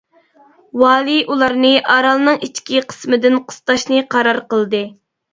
ۋالىي ئۇلارنى ئارالنىڭ ئىچكى قىسمىدىن قىستاشنى قارار قىلدى.